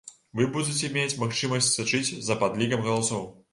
Вы будзеце мець магчымасць сачыць за падлікам галасоў.